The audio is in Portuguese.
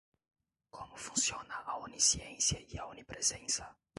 Como funciona a onisciência e a onipresença